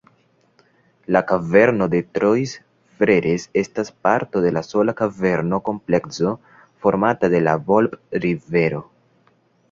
La Kaverno de Trois-Freres estas parto de sola kaverno-komplekso formata de la Volp-rivero.